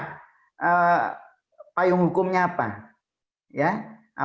terus kalau kita mencari pelayanan yang berat kita harus berhenti menunda